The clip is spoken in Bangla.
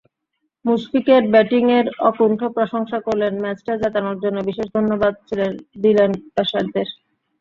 মুশফিকের ব্যাটিংয়ের অকুণ্ঠ প্রশংসা করলেন, ম্যাচটা জেতানোর জন্য বিশেষ ধন্যবাদ দিলেন পেসারদের।